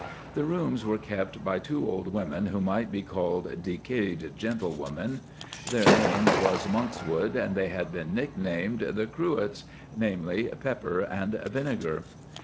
The rooms were kept by two old women who might be called decayed gentlewomen. Their name was Monkswood, and they had been nicknamed "The Cruets," namely, "Pepper" and "Vinegar."